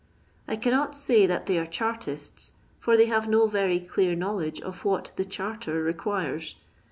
I cannot say that they are ChartisU, for they have no very dear know ledge of what "the charter" requires.